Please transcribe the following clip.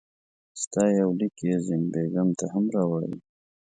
ستا یو لیک یې زین بېګم ته هم راوړی وو.